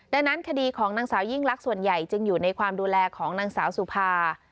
ดังนั้นคดีของนางสาวยิ่งลักษณ์ส่วนใหญ่จึงอยู่ในความดูแลของนางสาวสุภา